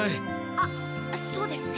あっそうですね。